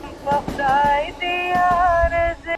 که لاسلیک نه وي نو سند اعتبار نلري.